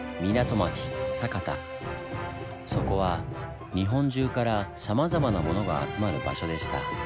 そこは日本中からさまざまなものが集まる場所でした。